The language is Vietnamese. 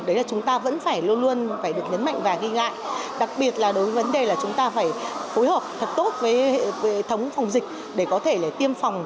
đấy là chúng ta vẫn phải luôn luôn phải được nhấn mạnh và ghi lại đặc biệt là đối với vấn đề là chúng ta phải phối hợp thật tốt với hệ thống phòng dịch để có thể tiêm phòng